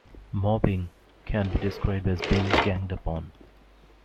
Mobbing can be described as being ganged up on.